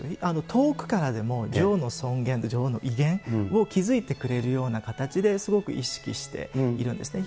遠くからでも女王の威厳を築いてくれるような形で、すごく意識しているんですね。